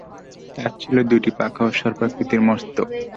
তার ছিল দুটি পাখা ও সর্পাকৃতির মস্তক।